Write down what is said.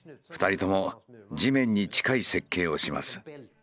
２人とも地面に近い設計をします。